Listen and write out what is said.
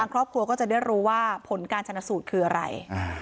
ครอบครัวก็จะได้รู้ว่าผลการชนะสูตรคืออะไร